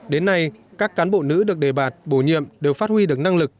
đến nay các cán bộ nữ được đề bạt bổ nhiệm đều phát huy được năng lực